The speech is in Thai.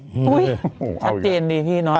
ชัดเจนดีน้อย